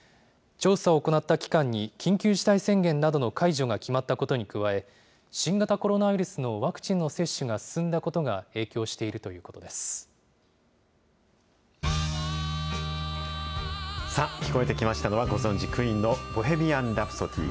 調査を行った期間に緊急事態宣言などの解除が決まったことなどに加え、新型コロナウイルスのワクチンの接種が進んだことが影響しているさあ、聞こえてきましたのは、ご存じ、クイーンのボヘミアン・ラプソディー。